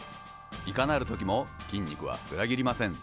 いかなる時も筋肉は裏切りません。